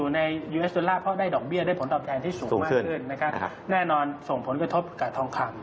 แน่นอนส่งผลกระทบกับทองคำ